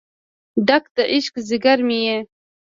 ډک د عشق ځیګر مې یې